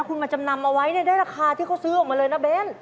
คุณมาจำนำเอาไว้เนี่ยได้ราคาที่เขาซื้อออกมาเลยนะเบ้น